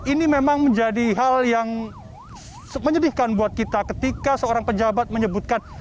ini memang menjadi hal yang menyedihkan buat kita ketika seorang pejabat menyebutkan